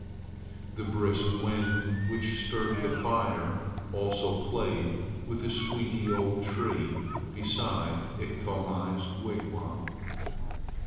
The brisk wind which stirred the fire also played with a squeaky old tree beside Iktomi's wigwam.